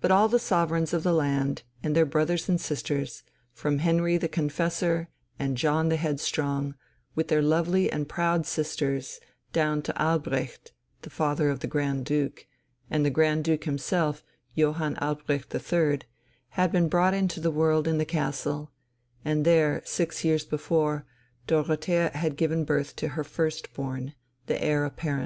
But all the sovereigns of the land and their brothers and sisters, from Henry the Confessor and John the Headstrong, with their lovely and proud sisters, down to Albrecht, the father of the Grand Duke, and the Grand Duke himself, Johann Albrecht III, had been brought into the world in the castle; and there, six years before, Dorothea had given birth to her firstborn, the Heir Apparent.